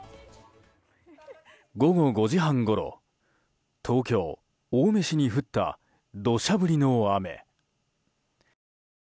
午後５時半ごろ東京・青梅市に降った土砂降りの雨。